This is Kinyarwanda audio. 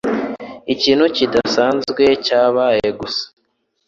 Ikintu kidasanzwe cyabaye gusa.